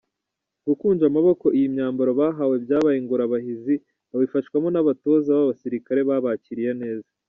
Gukunja amaboko iyi myambaro bahawe byabaye ingorabahizi babifashwamo n'abatoza ba basirikare babakiriye neza.